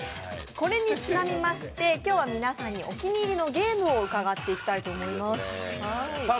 これにちなみまして、今日は皆さんにお気に入りのゲームを伺っていきたいと思います。